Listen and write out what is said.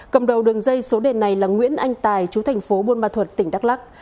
cầm đầu đường dây số đề này là nguyễn anh tài chú thành phố bunma thuật tỉnh đắk lắc